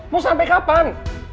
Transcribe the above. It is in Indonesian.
mau sampe kapan